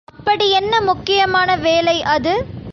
அப்படி என்ன முக்கியமான வேலை அது?